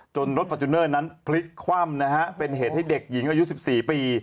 รถฟอร์จูเนอร์นั้นพลิกคว่ำนะฮะเป็นเหตุให้เด็กหญิงอายุ๑๔ปี